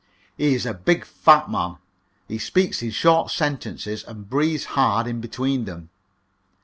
He is a big, fat man; he speaks in short sentences, and breathes hard in between them.